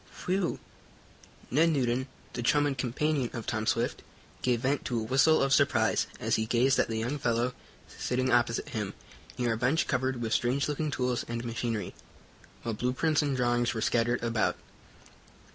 "Whew!" Ned Newton, the chum and companion of Tom Swift, gave vent to a whistle of surprise, as he gazed at the young fellow sitting opposite him, near a bench covered with strange looking tools and machinery, while blueprints and drawings were scattered about.